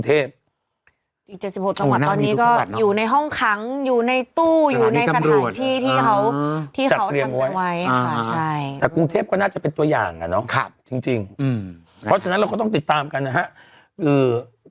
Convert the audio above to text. เพราะฉะนั้นเราก็ต้องติดตามกันนะครับ